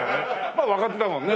まあ若手だもんね。